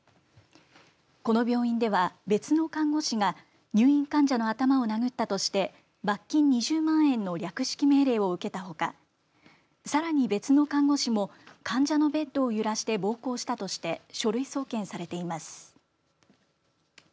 この病院では別の看護師が入院患者の頭を殴ったとして罰金２０万円の略式命令を受けたほかさらに別の看護師も患者のベッドを揺らして暴行したとして書類送検されています。